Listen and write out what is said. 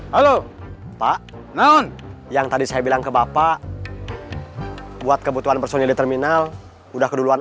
halo pak non yang tadi saya bilang ke bapak buat kebutuhan personil di terminal udah keduluan